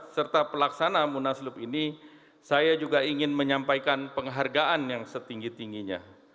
serta pelaksana munaslup ini saya juga ingin menyampaikan penghargaan yang setinggi tingginya